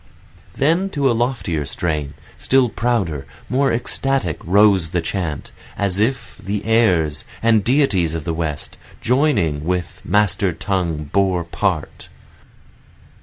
Then to a loftier strain, Still prouder, more ecstatic rose the chant, As if the heirs, the deities of the West, Joining with master tongue bore part.